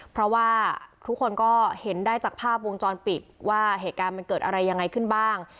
เพราะว่าทุกคนก็เห็นได้จากภาพวงจรปิดว่าเหตุการณ์มันเกิดอะไรยังไงขึ้นบ้าง